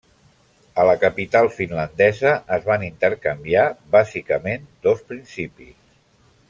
A la capital finlandesa es van intercanviar, bàsicament, dos principis.